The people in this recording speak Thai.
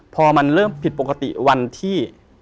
พอมันเริ่มผิดปกติวันที่